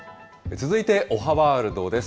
続いておはワールドです。